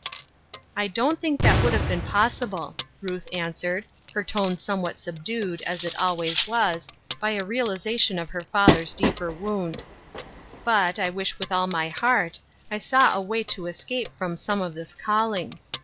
"I don't think that would have been possi ble," Ruth answered, her tone somewhat sub dued, as it always was, by a realization of her father's deeper wound. "But, I wish with all my heart, I saw a way to escape from some of this calling.